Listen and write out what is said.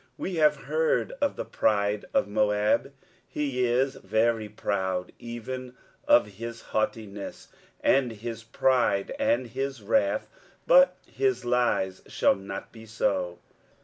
23:016:006 We have heard of the pride of Moab; he is very proud: even of his haughtiness, and his pride, and his wrath: but his lies shall not be so.